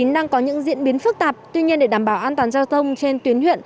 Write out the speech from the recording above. đang có những diễn biến phức tạp tuy nhiên để đảm bảo an toàn giao thông trên tuyến huyện